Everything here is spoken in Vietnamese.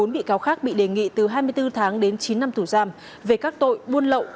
một mươi bị cáo khác bị đề nghị từ hai mươi bốn tháng đến chín năm tù giam về các tội buôn lậu